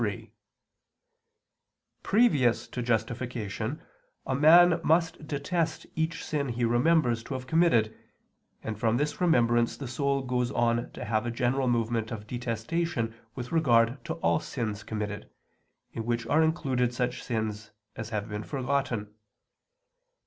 3: Previous to justification a man must detest each sin he remembers to have committed, and from this remembrance the soul goes on to have a general movement of detestation with regard to all sins committed, in which are included such sins as have been forgotten.